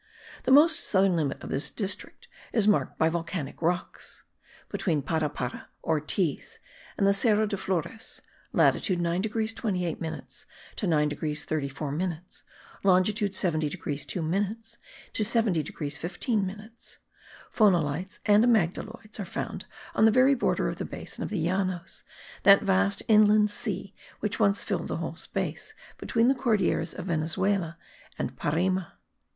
The most southern limit of this district is marked by volcanic rocks. Between Parapara, Ortiz and the Cerro de Flores (latitude 9 degrees 28 minutes to 9 degrees 34 minutes; longitude 70 degrees 2 minutes to 70 degrees 15 minutes) phonolites and amygdaloids are found on the very border of the basin of the Llanos, that vast inland sea which once filled the whole space between the Cordilleras of Venezuela and Parime.